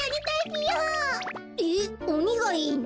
えっおにがいいの？